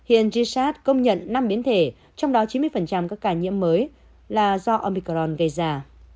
hiện jisat công nhận năm biến thể trong đó chín mươi các ca nhiễm mới là do omicron gây ra